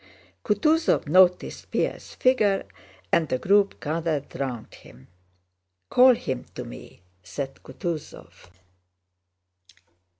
Kutúzov noticed Pierre's figure and the group gathered round him. "Call him to me," said Kutúzov.